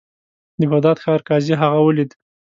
د بغداد ښار قاضي هغه ولید.